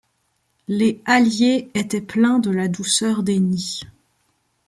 Les halliers étaient pleins de la douceur des nids